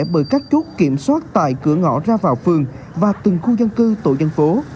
bởi các chốt kiểm soát tại cửa ngõ ra vào phường và từng khu dân cư tổ dân phố